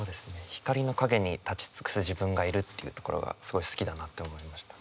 「光りの影に立ち尽くす自分がいる」っていうところがすごい好きだなって思いました。